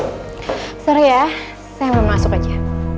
maaf ya saya belum masuk aja